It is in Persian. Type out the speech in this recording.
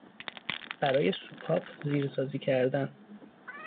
برای سوپاپ زیرسازی کردن